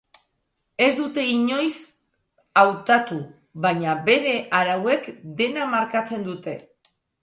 Ez dute inoiz hautatu, baina bere arauek dena markatzen dute.